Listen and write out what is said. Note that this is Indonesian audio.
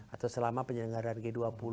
atau selama penyelenggaraan g dua puluh